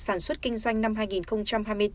sản xuất kinh doanh năm hai nghìn hai mươi bốn